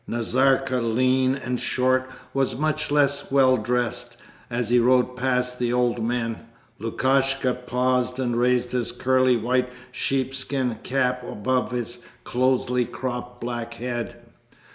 Nazarka, lean and short, was much less well dressed. As he rode past the old men, Lukashka paused and raised his curly white sheepskin cap above his closely cropped black head.